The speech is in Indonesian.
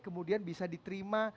kemudian bisa diterima